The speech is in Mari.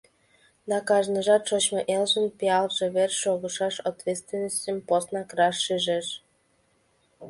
Да кажныжат шочмо элжын пиалже верч шогышаш ответственностьым поснак раш шижеш.